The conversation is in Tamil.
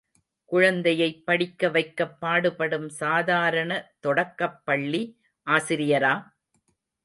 குழந்தையைப் படிக்க வைக்கப் பாடுபடும், சாதாரண தொடக்கப் பள்ளி ஆசிரியரா?